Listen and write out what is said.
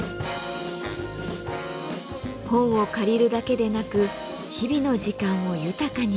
本を借りるだけでなく日々の時間を豊かにしてくれる。